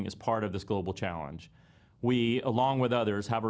adalah bagian penting dalam hidup kita sekarang